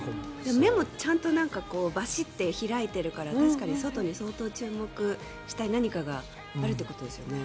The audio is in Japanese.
目もちゃんとバシッて開いているから確かに外に相当注目したい何かがあるということですよね。